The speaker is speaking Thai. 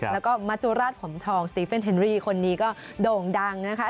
แล้วก็มัจจุราชผมทองสตีเฟนเทนรี่คนนี้ก็โด่งดังนะคะ